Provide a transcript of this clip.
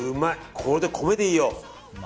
これで米でいいよ。